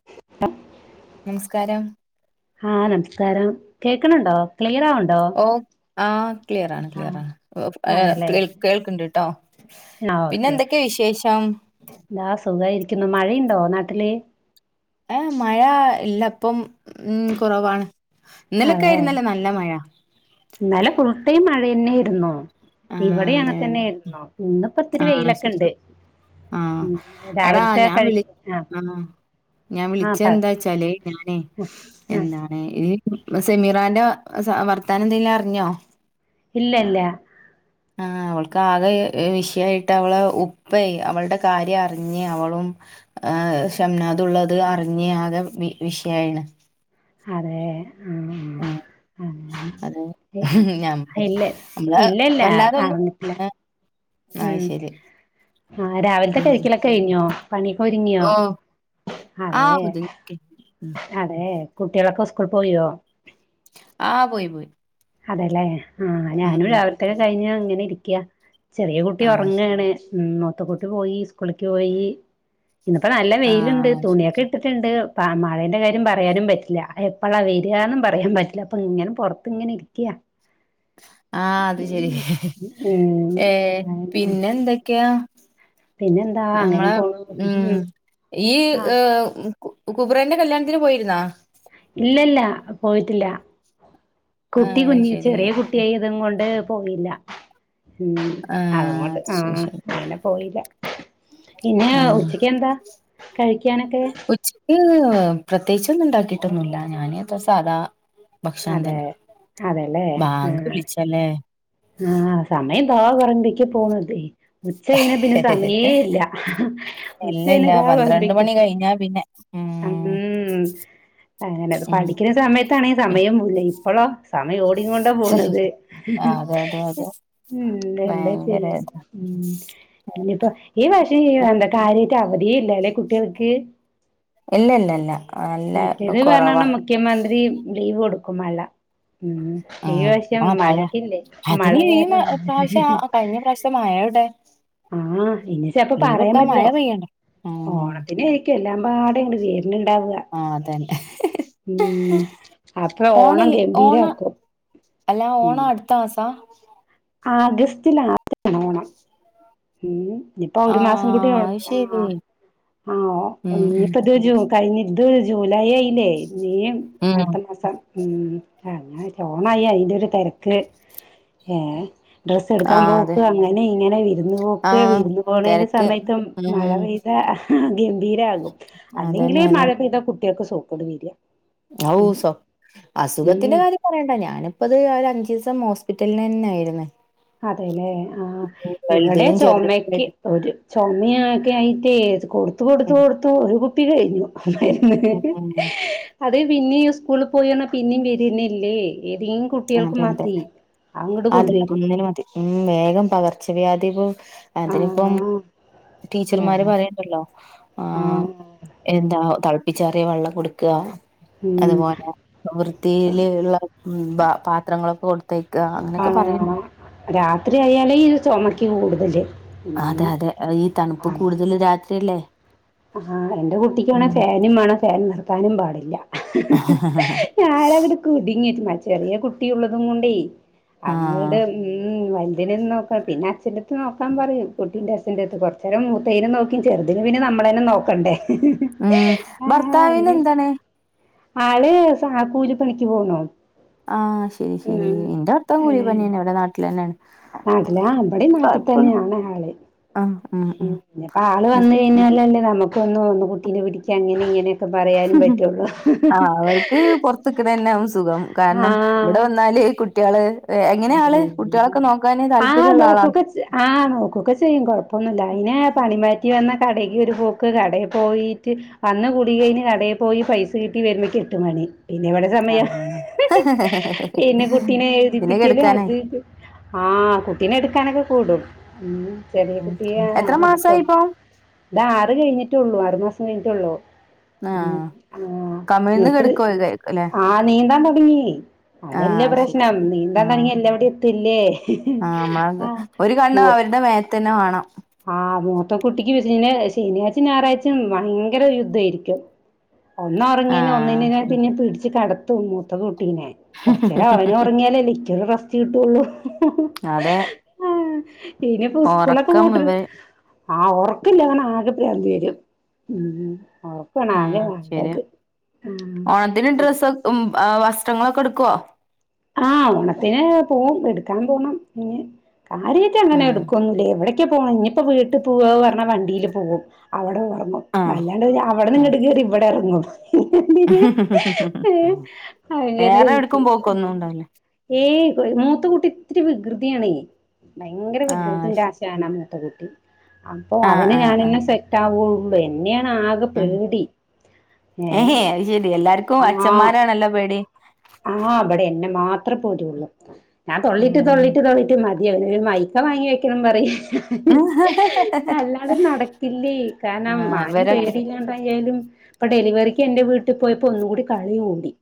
[unintelligible] നമസ്കാരം ആഹ് നമസ്കാരം കേക്കണണ്ടോ ക്ലിയർ ആവുണ്ടോ ഓ ആ ക്ലിയർ ആണ് ആഹ് അതെല്ലേ കേൾക്കണ്ട് കേട്ടോ പിന്നെ എന്തൊക്കെയാ വിശേഷം എന്താ സുഖയിരിക്കുന്നു മഴയുണ്ടോ നാട്ടില് ഏഹ് മഴ ഇല്ല ഇപ്പം ഉഠ കുറവാണ് ഇന്നലൊക്കെ ആയിര്ന്നല്ലേ നല്ല മഴ ഇന്നാലെ ഫുൾടൈം മഴ ന്നൊയിരുന്നു ആഹ് ഇവിടെ അങ്ങനെ അതെ അതെ തന്നെയ ആയിന്നോ ഇന്നിപ്പോ ഒത്തിരി ആഹ് വെയിലൊക്കെ ശരി ഉണ്ട് ശരി ആഹ് ഉം എടാ രാവിലത്തെ ഞാൻ കഴി വിളി ആഹ് ഞാൻ വിളിച്ച ആഹ് പറ എന്താച്ചാലേ ഞാനേ ആഹ് എന്താ ഇ സെമിറാന്റെ വർത്താനം എന്തെങ്കലും അറിഞ്ഞോ ഇല്ല ഇല്ല ആഹ് അവൾക്ക് ആകെ വിഷയയിട്ട് അവള ഉപ്പ അവളുടെ കാര്യം അറിഞ്ഞ് അവളും ആ ക്ഷമനാതുള്ളത് അറിഞ്ഞാകെ വി വിഷയയിണ് അതെ ആഹ് ആഹ് അത ഞമ്മള് ഇല്ല നമ്മള് ഇല്ല ഇല്ല വല്ലാതൊന്നും അറിഞ്ഞിട്ടില്ല ഏഹ് ഉം ആ രാവിലത്തെ ഉം കഴിക്കലൊക്കെ കഴിഞ്ഞോ പണിക്കരിങ്ങിയോ ഓഹ് ആഹ് അതെ ഒതുങ്ങി ഉം അതെ കുട്ടികളൊക്കെ സ്കൂള് പോയോ ആഹ് പോയി പോയി അതെല്ലേ ആഹ് ഉം ഞാനും ഉം രാവിലത്തേക്കെ കഴിഞ്ഞ അങ്ങനെ ഇരിക്കയാ ചെറിയ കുട്ടി ആഹ് ശരി ഉറങ്ങാണ് മൂത്ത കുട്ടി പോയി സ്കൂളിലേക്ക് പോയി ഇന്നപ്പ നല്ല വെയിലുണ്ട് ആഹ് ശരി തുണിയൊക്കെ ഇട്ട് ണ്ട് മഴന്റെ കാര്യം പറയാനും പറ്റില്ല എപ്പോഴാ വരാന്നും പറയാൻ പറ്റില്ല അപ്പൊ ഇങ്ങനെ പുറത്ത് അപ്പ ഇങ്ങെ ഇരിക്കുക ആഹ് അത് ശരി ഏഹ് ഉം പിന്നെ എന്തൊക്കെയാ പിന്നെന്താ അങ്ങനെ നമ്മളെ പോണു ഉം ഈ ആഹ് കുബുരേന്റെ കല്യാണത്തിന് പോയിരുന്നാ ഇല്ലല്ല പോയിട്ടില്ല കുട്ടി ആഹ് അത് കുഞ്ഞി ശരി ചെറിയ കുട്ടിയായി അതും കൊണ്ട് പോയില്ല ഉം ആഹ് അതങ്ങോട്ട് അത് ശരി ആഹ് ശരി അങ്ങനെ പോയില്ല പിന്നെ ആഹ് ഉച്ചക്ക് എന്താ കഴിക്കാനൊക്കെ ച്ചയ്ക്ക് പ്രത്യേകിച്ചൊന്നും ഉണ്ടാക്കിയിട്ടൊന്നുല്ല ഞാൻ അത്ര സാധാ ഭക്ഷണം അതെ തന്നെ അതെല്ലേ ബാങ്ക് ആഹ് വിളിച്ചല്ലേ ആഹ് സമയം ദാ പറ്പേക്ക് പോണ് ണ്ടേ ഉച്ചയിന പിന്നെ സമയേ ഇല്ല ഉച്ചയിന ഇല്ലല്ല ഇതാ വെറ്തെ പന്ത്രണ്ട് ഇരിക്കും മണി കഴിഞ്ഞാ പിന്നെ ഉം അങ്ങനെ ഉം പഠിക്ണ സമയ ത്തണ സമയം പോൂല്ല ഇപ്പോളോ സമയം ഓടികൊണ്ട പോണത്. അതെതെ ഉം എന്താ ഭയങ്കര ചെയ്യ അത ഉം ഇനിയിപ്പോ ഈ വർഷേ എന്താ കാര്യയിട്ട് അവധി ഇല്ലല്ലെ കുട്ടികൾക്ക്? ഇല്ലല്ലല്ല നല്ല മറ്റേത് പറഞ്ഞാണ് കൊറവാ. മുഖ്യമന്ത്രി ലീവ് കൊടുക്കും മഴ ഉം ഈ ആഹ് വശ്യം ആഹ് മഴ മഴക്കില്ല [unintelligible] ഈ പ്രാവശ്യം കഴിഞ്ഞ പ്രാവശ്യം മഴടെ. ആഹ് ഇനി ചെപ്പോ പറയാൻ പറ്റലോ പെയ്യണ്ടേ ഉം ഓണത്തിനയിരിക്കും എല്ലാം പാ [unintelligible] വരുണുണ്ടാവ ആഹ് അതന്നെ ഉം അപ്പ ഓണ ഓണം ഓണ ഗംഭീരാക്കും. അല്ല ഉം ഓണം അടുത്ത മാസ. ആഗസ്റ്റ് ലാസ്റ്റ് ആണ് ഓണം. ഉം ഞ്ഞിപ്പ ഒരു മാസം കൂട്ടിയ ആഹ് അത് ആഹ് ശരി ഉം ഉം ആഹനിപ്പോ ഇത് ജൂൺ കഴിഞ്ത് ജൂലൈ ആയില്ലേ മെയും ഉം അടുത്ത മാസം ഉം [unintelligible] ഓണായ അതിന്റെ ഒരു തെരക്ക് ഏ ഡ്രസ്സ് എടുക്കാൻ ആഹ് അതെ പോക്ക് അങ്ങനെ ഇങ്ങനെ വിരുന്ന് പോക്ക് ആഹ് വിരുന്ന് പോണേന്റെ തെരക്ക് സമയത്തും. മഴ ഉം പെയ്ത ഗംഭീരാകും അതന്നെ അല്ലെങ്കിലേ അതെ മഴ പെയ്ത കുട്ടികൾക്ക് സു കേടു വര ഔ സ അസുഖത്തിന്റെ ഉം കാര്യം പറയേണ്ട ഞാനിപ്പ ഇത് ഒരു അഞ്ചിസം ഹോസ്പിറ്റലന്നെ യാരുന്നേ അതെല്ലേ ആഹ് ഇവിടെ ചുമക്ക് ചെറുതിനുമായിട്ട് ഒരു ചുമൊക്കെ ആയിട്ട് കൊടുത്തു കൊടുത്തു ഉം കൊടുത്തു ഒരു കുപ്പി കഴിഞ്ഞു ഉം ഉം അതെ പിന്നെയി സ്കൂളിൽ പോയി വന്ന പിന്നെയും വരന്നല്ലേ ഏതെങ്കി കുട്ടികൾക്ക് അതെ അതെ മതി അങ്ങോട്ട് അതെ കൊണ്ടുവരും. ഒന്നിന് മതി ഉം വേഗം പകർച്ചവ്യാധികൾ ആ അതിനിപ്പം ടീച്ചർമാര് ആ പറയണ്ടല്ലോ ആ ആഹ് എന്താ തിളപ്പിച്ചെറിയ വെള്ളം കൊടുക്കുക ഉം അതുപോലെ ഇപ്പ വൃത്തിയിൽ ഉള്ള ന്താ പാത്രങ്ങളൊക്കെ കൊടുത്തേക്ക അങ്ങനെയൊക്കെ പറയുണ്ട്. രാത്രിയയാലേ ഇത് ചുമക്ക് കൂടുതല്. അതെ ഉം അതെ ഈ തണുപ്പും കൂടുതൽ രാത്രിയല്ലേ? ആഹ് എന്റെ കുട്ടിക്കാണ ഉം ഫാനും വേണം ഫാൻ നിർത്താനും പാടില്ല. ഞാൻ അന്നിട്ട് കുടുങ്ങിട്ട മ ചെറിയ കുട്ടിള്ളതും കൊണ്ടേ ആഹ് അങ്ങോട് ഉം വലുതിനേം നോക്ക പിന്ന അച്ഛൻ്റത്ത് നോക്കാൻ പറയും കുട്ടീന്റെ അച്ഛൻ്റത്ത് കുറച്ച നേരം മൂത്തേനേം നോക്കി ചെറുന് പിന്ന നമ്മ ളെന്നെ നോക്കണ്ടേ? ഉം ആ ഭർത്താവിന് അങ്ങനെ എന്താണ്? ആള് സ കൂലിപ്പണിക്ക് പോന്നു ആഹ് ശരി ശരി ന്റെ ഭർത്താവും ഏ കൂലി പനിയന്നെ വിടെ നാട്ടിലന്നെ. നാട്ടിലാ ഇബാടിം നാട്ടിതന്നെയാണ് ആള്. ഉം പിന്നെപ്പൊ ആള് അത് വന്ന ശരി. കഴിഞ്ഞല്ലല്ലേ നമ്മുക്ക് ഒന്ന് ഒന്ന് കുട്ടീനെ പിടിക്ക അങ്ങനെ ഇങ്ങനെ ആഹ് അവർക്ക് പുറത്തക്കണന്നെ ആവും സുഖം കാരണം ഇവിടെ ആഹ് വന്നാല് കു കുട്ടികള് എങ്ങനെയ ആള് കുട്ടികളൊക്കെ നോക്കാന് താല്പര്യള്ള ആളാണോ ആ നോക്കൊക്കെ ചെയ്യും കുഴപ്പമൊന്നുമില്ല അതിനെ പണിമാറ്റി വന്ന കടക്ക് ഒരു പോക്ക് കടയിൽ പോയിട്ട് അന്ന് കുടി കഴിഞ് കടെ പോയി പൈസ കിട്ടി വരുമേക്ക് എട്ട് മണി പിന്നെ എവിടെ സമയം ആഹ് പിന്നെ കുട്ടീനെ പിന്നെ എഴുതിപ്പിക്കല് കെടുക്കാനായി അത് ഇത്. ആഹ് കുട്ടീനെ എടുക്കാനൊക്കെ കൂടും ഉം ചെറിയ ഉം കുട്ടിയാ എത്ര മാസായി എടുക്കും. ഇപ്പൊ ഇത് ആറ് കഴിഞ്ഞിട്ടുള്ളൂ ആറ് മാസം കഴിഞ്ഞിട്ടുള്ളൂ. ഉം ആഹ് ആ കമിഴ്ന്ന് മൂപ്പര് കെടക്കുവായിരിക്കും അല്ലെ ആ നീന്താൻ തുടങ്ങി. ആഹ് അതല്ലേ അത് ശരി പ്രശ്നം ശരി നീ ആഹ് എല്ലാവ്ടി എത്തില്ലേ ആഹ് അതെ തന്നെ വാണം ആഹ് മൂത്ത കുട്ടിക്ക് ന്നെ ശനിയാച്ചിം ഞാറയ്ച്ചിം ഭയങ്കരം യുദ്ധയിരിക്കും ഒന്നൊറങ്ങിന ആഹ് ഒന്നിനെ ഞാൻ ശരി പിന്നെ ശരി പിടിച്ച് കെടത്തുങ്ങ് ത്ത കൂട്ടീനെ കൊറചേരം അവനും ഒറങ്ങ്യലല്ലേ ഇക്കൊരു റസ്റ്റ് കിട്ടുള്ളു അതെ ആഹ് ഇനിപ്പൊ ഉസ്കൂളൊക്ക ഒറക്കം പൂട്ട് ഇവ ആഹ് ഒറക്കില്ലന്ന് പറഞ്ഞ ആകെ പ്രാന്ത് വരും ഉം ഉം ഒറ ക്കണ് ഉം ആദ്യം ശരിയാ വേണ്ടത് ആഹ് ഓണത്തിന് ഉം ഡ്രസ്സ് ഉം ആ വസ്ത്രങ്ങളൊക്ക എട്ക്കോ ആഹ് ഓണത്തിന് പോവും എടുക്കാൻ പോണം ഇഞ് കാര്യായ്ട്ട് അങ്ങനെ ഉം എടുക്കൊന്നു ഇല്ല്യ എവിടക്ക പോണേ ഇഞ്ഞിപ്പോ വീട്ട് പോവാ പറ വണ്ടില് പോവും അവടെ എറങ്ങും ആഹ് അല്ലാണ്ട് പിന്നെ അവിടെ ഉം ഇങ്ങ്ട് കേറി ഇവടെ എറങ്ങും ന്തിത് ഏഹ് അങ്ങനെ ആയിട്ട് ള്ളതല്ലേ ഏയ് ഒര് മൂത്ത കുട്ടി ഇത്തിരി വികൃതിയണേ ഭയങ്കരം ആഹ് അത് വികൃതിന്റെ ശരി ആശനാ മൂത്ത കുട്ടി അപ്പൊ ആഹ് അവന് ആഹ് ആഹ് ഞാനന്നെ സെ റ്റാവുള്ളൂ എന്നെയാണ് ആ ഉം പേടി ഏഹ് ഏഹേ അത് ശരി എല്ലാർക്കും ആഹ് അച്ഛന്മാരാണല്ലോ പേടി ആഹ് ഇബടെ എന്നെ മാത്രേ പേടിള്ളു ഞാൻ തൊള്ളിട്ട് ഉം തൊള്ളി ട്ട് തൊള്ളിട്ട് മതിയായി ഏഹ് ഒരു മൈക്ക വാങ്ങി വെക്കണം പറയെ അല്ലാട നടക്കില്ലേ കാരണം ആഹ് ആരേം ഇവരൊക്കെ പേടില്ലാണ്ടായാലും ഇപ്പം ഡെലിവറിക്ക് എന്റെ വീട്ട് പോയപ്പോ ഒന്നുകൂടി കളി കൂടി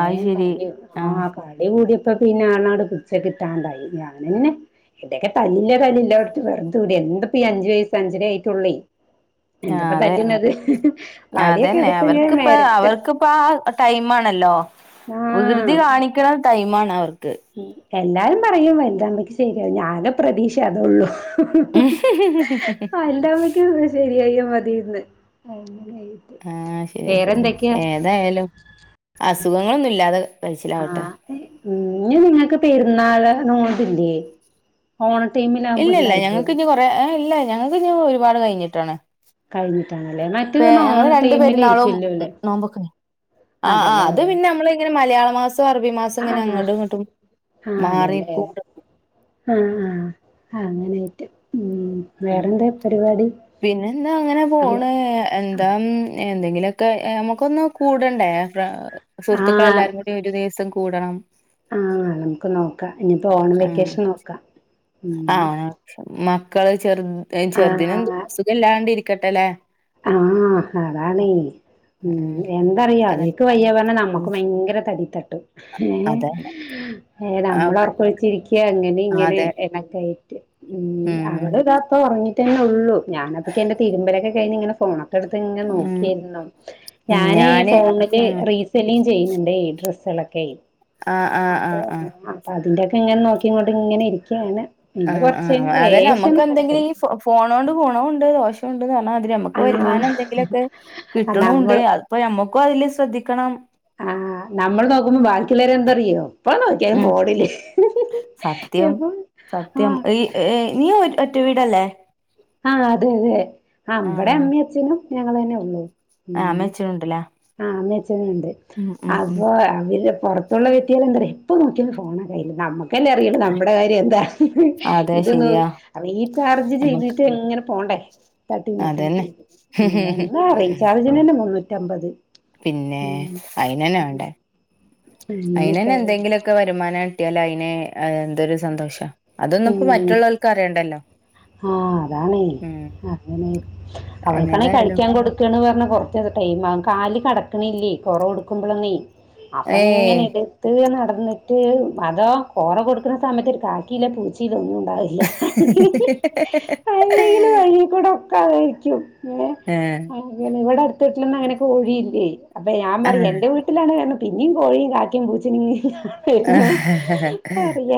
അത് ശരി കളി ആഹ് കളി കൂടിപ്പോ പിന്നെ ആനങ്ങ്ട് പിടിച്ച കിട്ടാണ്ടായി ഞാന്ങ്ങനെ എടക്കെ തല്ലില്ല തല്ലില്ല വെച്ച് വെറ്ത വിടെ എന്തപ്പ ഈ അഞ്ച് വയസ്സ് അഞ്ചര ആയിട്ടുള്ളേ ആഹ് എന്താപ്പ അതെ തല്ല്ണത് ആഹ് വടിയൊക്കെ അതന്നെ എടുത്തിങ്ങനെ അവർക്ക്പ്പം മെരട്ടും അവർക്ക്പ്പാ ആ ആ ടൈമ് ആണല്ലോ വ്കൃതി ആഹ് കാണിക്കണ ടൈമാണ് അവർ ഉം എല്ലാരും പറയും വല്താമ്പക്കും ശരിയാവും ഞാത് പ്രതീക്ഷ അതേള്ളൂ ശരിയായ മതിര്ന്ന് അങ്ങനായി ആഹ് ശരി ശരി ഏതായാലും അസുഖങ്ങളൊന്നും ഇല്ലാതെ കഴിച്ചിലാവട്ടെ ആഹ് ഉം ഇഞ്ഞ് നിങ്ങക്ക് പെരുന്നാള് നോമ്പില്ലേ ഓണ ടൈമിലാവുമ്പോ ഇണ്ടാവില്ലേ ഏഹ് ഇല്ല ഞങ്ങക്ക് ഇഞ് ഒരുപാട് കയിഞ്ഞിട്ടാണ് കഴിഞ്ഞിട്ടാണല്ലേ മറ്റേ പ്പെ പറഞ്ഞ ഓണ ഞങ്ങളെ രണ്ടു ടൈമില് പെരുന്നാളും ഇരിക്കല്ലോല്ലേ നോമ്പൊക്കെ ആഹ് ആഹ് അതെല്ലേ അത് പിന്നെ നമ്മള് ഇങ്ങനെ മലയാള മാസോം അറബി മാ സം ഇങ്ങനെ ആഹ് അങ്ങോട്ടും ഇങ്ങോട്ടും ആഹ് മാറി അതെല്ലേ നിക്കും ആഹ് ആഹ് അങ്ങനായിട്ട് ഉം ഉം ആഹ് പിന്നെന്താ അങ്ങനെ അല്ലെ പോണ് എന്താ ഉം എന്തെങ്കിലൊക്ക നമുക്കൊന്ന് കൂടണ്ടേ ഫ്ര ആഹ് സുഹൃത്തുക്കളെല്ലാരും കൂ ടി ഒരു ദിസം കൂടണം ആഹ് നമുക്ക് നോക്കാം ഞ്ഞിപ്പോ ഓണം ആഹ് വെക്കേഷന് നോക്കാം ഉം ആഹ് മക്കള് ചെറ് ചെറുതിനെന്തു ആഹ് അസുഖം ഇല്ലാണ്ട് ഇരിക്കട്ടെല്ലെ ആഹ് അതാണെ ഉം എന്താറിയോ അതെ അവര്ക്ക് വയ്യ പറഞ്ഞ ഉം നമ്മക്കും ഭയങ്കര തടിത്തട്ട് ഏഹ് അതന്നെ ഏഹ് അവ നമ്മള് ഒറക്കൊഴിച്ചിരി ക്ക അങ്ങനെ ഇങ്ങനെ അതെ എണക്കായിട്ട് ഉം അവള് ദാ പ്പൊ ഒറങ്ങി ട്ടന്നെള്ളൂ ഞാനപ്പക്കെന്റെ തിരുമ്പലൊക്കെ കഴിഞ്ഞിങ്ങനെ ഫോണ വെറുതെഇങ്ങനെ ഉം നോക്കെയ്രുന്നു ഉം ഞാനെ ഞാന് ഫോണിൽ ഉം റീസ് സെല്ലിം ചെയ്യുന്നുണ്ടെ ഡ്രസ് കളൊക്കെ ആഹ് ആഹ് അപ്പൊ ആഹ് ആഹ് അപ്പഅതിന്റെൊക്കെ ഇങ്ങനെ നോക്കി കൊണ്ട് ഇങ്ങനെ ഇരിക്കയാണ് ആ പിന്നെ കൊറച്ച് കഴിഞ്ഞ് ഹ്ആഅതന്നെ ലേശം നമുക്ക് എന്തെങ്കിലും കിടക്കും ഈ ഫോണോണ്ട് കുണവുണ്ട് ദോഷംണ്ട്ന്ന് പറഞ്ഞാ മാതിരി നമുക്ക് ക്കെ ആഹ് വരുമാനം എന്തെങ്കിലുക്കെ കിട്ടണുണ്ട് നമ്മൾ അത്പ്പമ്മക്കും അതില് ശ്രദ്ധിക്കണം ആഹ് നമ്മൾ നോക്കുമ്പോ ബാക്കിയുള്ളേരെ എന്തറിയോ പ്പ നോക്കിയാലും ഉം ഫോണിൽ എപ്പ ആ ഏ നീ ഒറ്റ വീടല്ലേ ആഹ് അതെ അതെ ബടെ അമ്മി അച്ഛനും ഞങ്ങളെന്നെ ഉള്ളൂ ആഹ് ഉം അമ്മേ അച്ചനുണ്ടല്ലേ ആഹ് അമ്മേ അച്ചനുണ്ട് അപ്പൊ അവര് പോർത്ത് ത്തുള്ള വീട്ട് കാര് എന്തര് യെപ്പ നോക്കിയാലും ഫോണാ കയ്യില് നമ്മക്കല്ലേ അറിയുള്ളൂ നമ്മള കാര്യം എന്താ അതെ ഇത്‌നോ ശരിയാ രി ചാർജ് നമ്മക്ക് ചെയ്തിട്ട് ഇങ്ങനെ പോണ്ടേ തട്ടി അതന്നെ മുട്ടിട്ട് എന്ത റീചാർജിനെന്നെ മുന്നൂറ്റമ്പത് പിന്നെ ഉം ആയിനെന്നെ വേണ്ടേ അങ്ങനെയൊക്കെ അയിന്നേനെ ആയി എന്തെങ്കിലും ക്കെ വരുമാനം കിട്ടിയാല് അയിനെ എന്തൊരു സന്തോഷം ആ അതൊന്നും ഇപ്പോ ഉം മറ്റുള്ളവർക്ക് അറിയണ്ടല്ലോ ആ അതാണേ ഉം അങ്ങനെ അവൾക്കാണെ ഏതായാലും കഴിക്കാൻ കൊടുത്ത ക്ക്ണ് പറഞ്ഞാ കുറച്ച് ഒരു ടൈം ആകും കാല് കടക്കണില്ലേ കുറവ് കൊടുക്കുമ്പോഴന്നീ അപ്പൊ ഏയ് ഇങ്ങനെ എടുത്ത് നടന്നിട്ട് അതോ കോറ കൊടുക്കുന്ന സമയത്ത് കാക്ക യില്ല പൂച്ചയില്ലലൊന്നും ഉണ്ടാവില്ല അല്ലെങ്കില് വഴിൽ കൂടെ ഒക്കെ അതായിരിക്കും ഏ ഇവിടെ അടുത്ത വീട്ടിലൊന്നും അങ്ങനെ കോഴിയില്ലേ അപ്പൊ ഞാൻ ആ പറയും എന്റെ വി ട്ടിലാണ്പിന്നേം കോഴിയും കാക്കിം പൂച്ചന ഇങ്ങനെ ആ വേർനു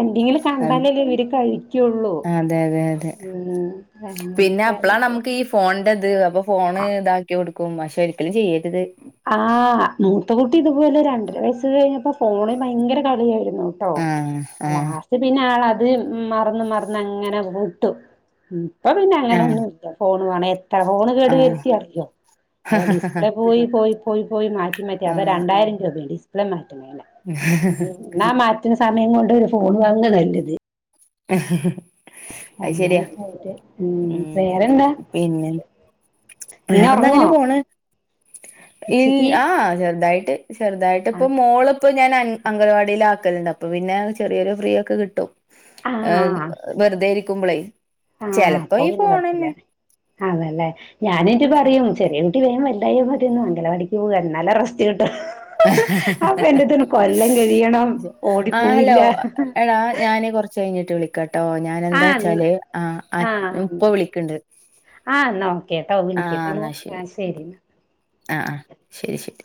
എന്തെങ്കിലും ക ണ്ടാലലേ ഇര് കഴിക്കുള്ളൂ അതെ അതെ അതെ ഉം അങ്ങനെയൊക്കെ ആയിട്ട് ഫോണിന്റെത് അപ്പൊ ഫോണ് ഇതാക്കി കൊടുക്കും പക്ഷെ ഒരിക്കലും ചെയ്യരുത് ആഹ് മൂത്ത കുട്ടി ഇതുപോലെ രണ്ടര വയസ് കഴിഞ്ഞപ്പോ ഫോണിൽ ഭയങ്കര കളിയായിരുന്നു ട്ടോ ആഹ് ആഹ് ലാസ്റ്റ് പിന്നെ ആളത് മറന്ന് മറന്ന് അങ്ങനെ വിട്ടു പ്പൊ പിന്നെ അങ്ങന ആഹ് ഒന്നുംത്ത ഫോണ് വേണ എത്ര ഫോണ് കേടു ആഹ് വരുത്തി അറിയോ ഹെ ഡിസ്പ്ലേ പോയി പോയി പോയി പോയി മാറ്റി മാറ്റി അത് ആഹ് രണ്ടായിരം രൂപയാണ് ഡിസ്പ്ലേ മാറ്റുന്നേല ന്നാ മാറ്റുന്ന സമയം കൊണ്ട് ഒരു ഫോൺ വാങ്ങന്നതാ നല്ലത് ഹ ഹ ഹ അയ് ശരിയാ അങ്ങനൊക്കെ ആയിട്ട് ഉം ഉ വേറെന്താ പിന്നെ ഇനി വേറെന്താ ഉറങ്ങോ അങ്ങനെ പോണ് ഇല് ഉച്ചക്ക് ആ ചെറുതായിട്ട് ചെറുതായിട്ട ഇപ്പ ആഹ് മോള ഇപ്പ ഞാൻ അംഗൻവാടിൽ ആക്കലുണ്ട് അപ്പൊ പിന്നെ ചെറിയൊരു ഫ്രീ ഒക്കെ കിട്ടും ആഹ് വെറുതെ ഇരിക്കുമ്പോളേ ആഹ് ചെലപ്പോ അപ ഈ പിന്നെ കൊഴപ്പല്ല ഫോണന്നെ അതല്ലേ ഞാന എറ്റ് പറയും ചെറിയ കുട്ടി വേ വല്ലായ മതിയാരുന്നു അംഗലവാടിക്ക് പോക എന്നാലെ റസ്റ്റ് കിട്ട അപ്പൊ എന്റെതിന് കൊല്ലം കഴിയണം ഓടിപൂവില്ല ച്ചഴിഞ്ഞിട്ട് വിളിക്കട്ടോ ഞാന എന്താ ച്ചാല് ആ അറ്റ് ആഹ് ഉപ്പ വിളിക്ണ്ട് ആഹ് എന്നാക്കേട്ടോ വിളിക്കേട്ടാ ശരി ന്നാ ആഹ് ആഹ് ശരി ശരി